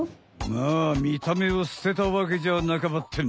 まあみためをすてたわけじゃなかばってん！